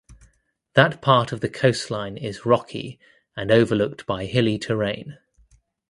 That part of the coastline is rocky and overlooked by hilly terrain.